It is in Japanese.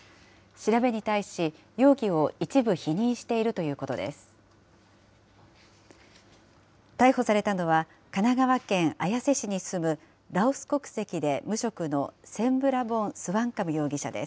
調べに対し、容疑を一部否認しているということです。